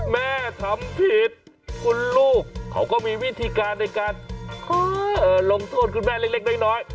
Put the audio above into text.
แม่ทำผิดคุณลูกเขาก็มีวิธีการในการลงโทษคุณแม่เล็กน้อย